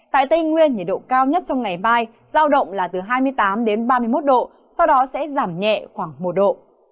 tại tây nguyên nhiệt độ cao nhất trong ngày mai giao động là từ hai mươi tám ba mươi một độ sau đó sẽ giảm nhẹ khoảng một độ